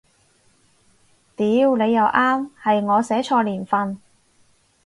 屌你又啱，係我寫錯年份